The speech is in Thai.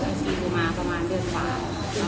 แล้วอันตรีรภูมิมาประมาณเดือนฝ่า